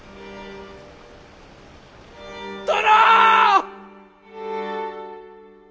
殿！